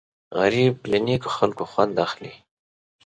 غریب له نیکو خلکو خوند اخلي